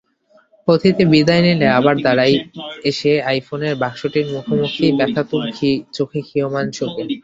অতিথি বিদায় নিলে আবার দাঁড়াই এসেআইফোনের বাক্সটির মুখোমুখি ব্যথাতুর চোখেক্ষীয়মাণ শোকে।